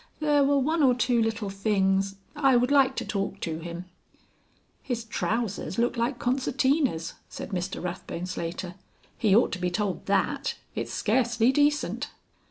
There were one or two little things ... I would like to talk to him." "His trousers look like concertinas," said Mr Rathbone Slater. "He ought to be told that. It's scarcely decent."